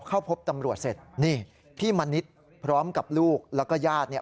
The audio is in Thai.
เข้าพบตำรวจเสร็จนี่พี่มณิษฐ์พร้อมกับลูกแล้วก็ญาติเนี่ย